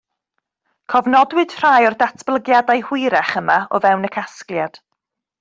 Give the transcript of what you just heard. Cofnodwyd rhai o'r datblygiadau hwyrach yma o fewn y casgliad